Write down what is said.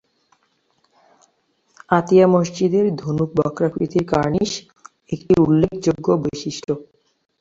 আতিয়া মসজিদের ধনুকবক্রাকৃতির কার্নিশ একটি উল্লেখযোগ্য বৈশিষ্ট্য।